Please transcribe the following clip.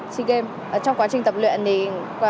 sinh game trong quá trình tập luyện